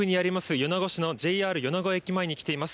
米子市のＪＲ米子駅前に来ています。